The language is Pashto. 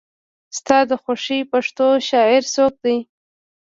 ستا د خوښې پښتو شاعر څوک دی؟